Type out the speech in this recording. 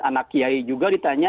anak kiai juga ditanya